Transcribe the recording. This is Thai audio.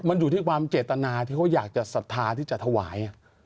มันอยู่ที่ความเจตนาที่เขาอยากจะศรัทธาที่จะถวาย